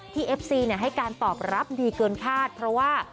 เอฟซีให้การตอบรับดีเกินคาดเพราะว่า